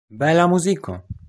Bela muziko!